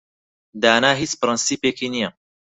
دانا هیچ پرەنسیپێکی نییە.